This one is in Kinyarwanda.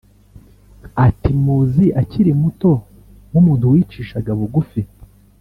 Ati “Muzi akiri muto nk’umuntu wicishaga bugufi